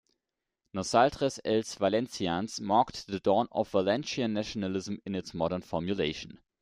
"Nosaltres, els valencians" marked the dawn of Valencian nationalism in its modern formulation.